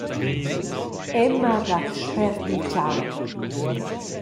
Emma dat spert il tgau.